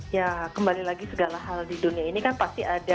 ya kembali lagi segala hal di dunia ini kan pasti ada posisi yang berbeda